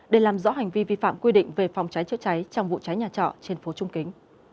để làm rõ hành vi vi phạm quy định về phòng cháy chữa cháy trong vụ cháy nhà trọ trên phố trung kính